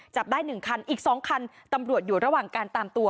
จับได้๑คันอีก๒คันตำรวจอยู่ระหว่างการตามตัว